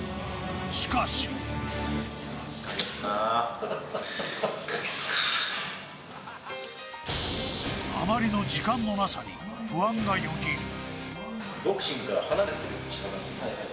しかしあまりの時間のなさに不安がよぎる。